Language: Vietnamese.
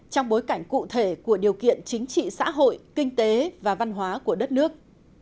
trong bối cảnh cụ thể của điều kiện chính trị xã hội kinh tế và văn hóa của đất nước